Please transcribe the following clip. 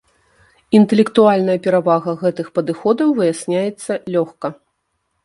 Інтэлектуальная перавага гэтых падыходаў выясняецца лёгка.